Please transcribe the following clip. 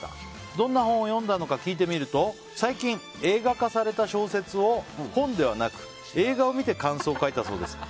どんな本を読んだのか聞いてみると最近、映画化された小説を本ではなく映画を見て感想を書いたそうです。